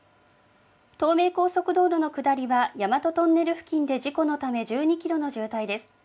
東名高速道路の下りは大和トンネル付近で事故のため１２キロの渋滞です。